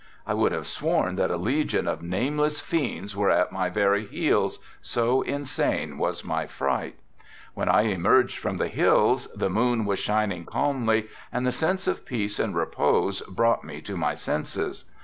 I would have sworn that a legion of nameless fiends were at my very heels, so insane was my fright. When I emerged from the hills the moon was shining calmly and the sense of peace and repose brought me to my senses.